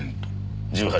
１８